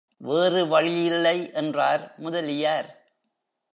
வேறு வழியில்லை என்றார் முதலியார்.